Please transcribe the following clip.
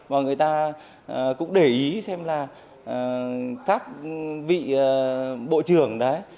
và người ta cũng để ý xem là các vị bộ trưởng đấy